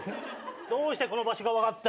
どうしてこの場所が分かった。